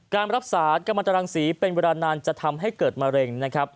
การรักษากรรมตรังสีเป็นเวลานานจะทำให้เกิดมะเร็งนะครับ